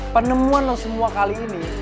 penemuan semua kali ini